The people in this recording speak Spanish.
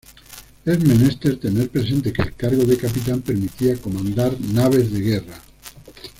Es menester tener presente que el cargo de capitán permitía comandar naves de guerra.